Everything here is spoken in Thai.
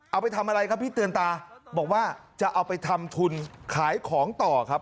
เอาไปทำอะไรครับพี่เตือนตาบอกว่าจะเอาไปทำทุนขายของต่อครับ